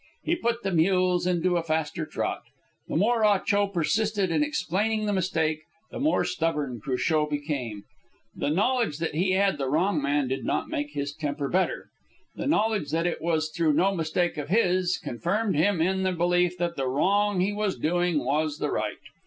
He put the mules into a faster trot. The more Ah Cho persisted in explaining the mistake, the more stubborn Cruchot became. The knowledge that he had the wrong man did not make his temper better. The knowledge that it was through no mistake of his confirmed him in the belief that the wrong he was doing was the right.